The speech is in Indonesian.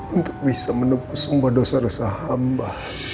untuk bisa menembus semua dosa dosa hamba